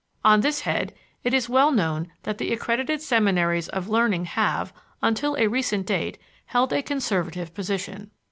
On this head, it is well known that the accredited seminaries of learning have, until a recent date, held a conservative position.